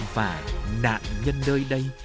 và nạn nhân nơi đây